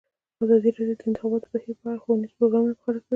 ازادي راډیو د د انتخاباتو بهیر په اړه ښوونیز پروګرامونه خپاره کړي.